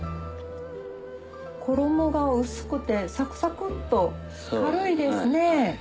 衣が薄くてサクサクっと軽いですね。